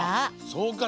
そうか！